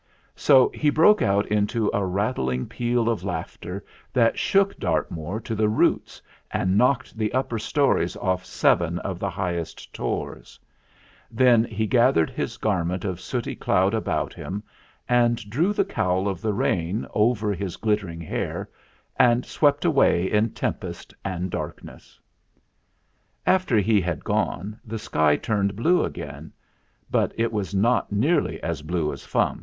So he broke out into a rattling peal of laughter that shook Dartmoor to the roots and knocked the upper storeys off seven of the highest tors ; then he gathered his garment of sooty cloud 38 THE FLINT HEART about him and drew the cowl of the rain over his glittering hair and swept away in tempest and darkness. After he had gone the sky turned blue again ; but it was not nearly so blue as Fum.